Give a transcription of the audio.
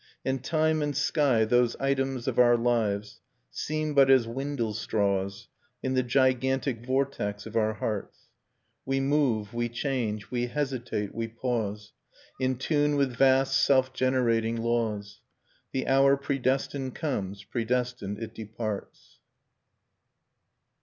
And time and sky, those items of our lives. Seem but as windlestraws In the gigantic vortex of our hearts : We move, we change, we hesitate, we pause. In tune with vast self generating laws ; The hour predestined comes; predestined it departs.